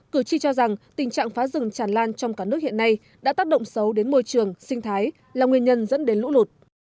cử tri cho rằng tình trạng phá rừng tràn lan trong cả nước hiện nay đã tác động xấu đến môi trường sinh thái là nguyên nhân dẫn đến lũ lụt